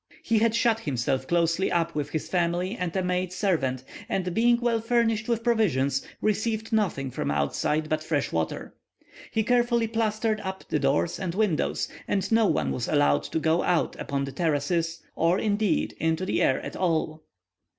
He had shut himself closely up with his family and a maid servant, and being well furnished with provisions, received nothing from outside but fresh water. He carefully plastered up the doors and windows, and no one was allowed to go out upon the terraces, or, indeed, into the air at all.